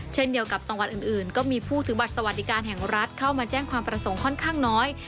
เช่นเดียวกับจังหวัดอื่นก็มีผู้ถือบัตรสวัสดิการแห่งรัฐเข้ามาแจ้งความประสงค์ค่อนข้างน้อย